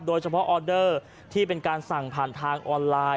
โดยเฉพาะออเดอร์ที่เป็นการสั่งผ่านทางออนไลน์